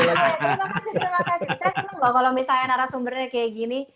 saya senang banget kalau misalnya narasumbernya seperti ini